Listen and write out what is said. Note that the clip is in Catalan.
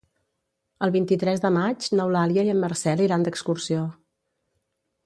El vint-i-tres de maig n'Eulàlia i en Marcel iran d'excursió.